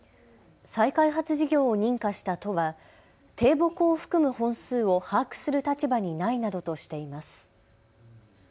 再開発事業を認可した都は低木を含む本数を把握する立場にないなどとしています。